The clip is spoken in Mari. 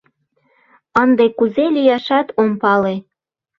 — Ынде кузе лияшат ом пале...